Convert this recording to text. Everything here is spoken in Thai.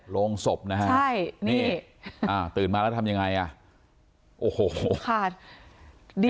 โรงศพนะครับตื่นมาแล้วทำยังไงล่ะโอ้โหนี่ขาด